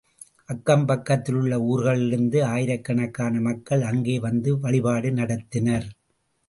அக்கம் பக்கத்திலுள்ள ஊர்களிலிருந்து ஆயிரக்கணக்கான மக்கள் அங்கே வந்து வழிபாடு நடத்தினர்.